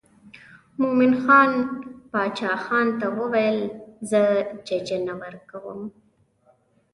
مومن خان باچا ته وویل زه ججه نه ورکوم.